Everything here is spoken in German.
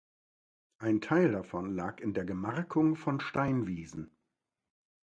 Ein Teil davon lag in der Gemarkung von Steinwiesen.